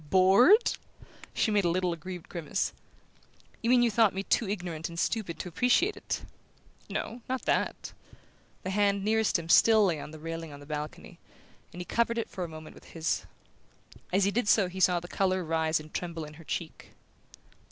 "BORED?" She made a little aggrieved grimace. "You mean you thought me too ignorant and stupid to appreciate it?" "No; not that." The hand nearest him still lay on the railing of the balcony, and he covered it for a moment with his. As he did so he saw the colour rise and tremble in her cheek.